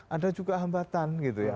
ada juga hambatan gitu ya